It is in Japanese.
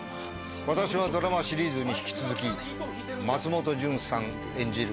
私はドラマシリーズに引き続き松本潤さん演じる